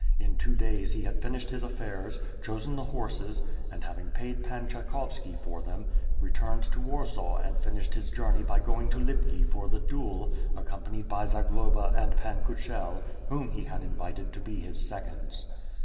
In two days he had finished his affairs, chosen the horses and, having paid Pan Tshakovski for them, returned to Warsaw and finished his journey by going to Lipki, for the duel, accompanied by Zag loba and Pan Kushel, whom he had invited to be his seconds.